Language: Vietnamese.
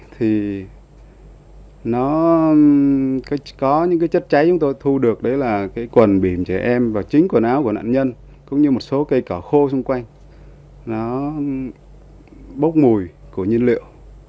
thì nó có những cái chất cháy chúng tôi thu được đấy là cái quần bì trẻ em và chính quần áo của nạn nhân cũng như một số cây cỏ khô xung quanh nó bốc mùi của nhiên liệu